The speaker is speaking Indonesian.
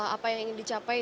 apa yang ingin dicapai